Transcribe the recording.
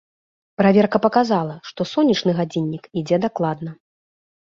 Праверка паказала, што сонечны гадзіннік ідзе дакладна.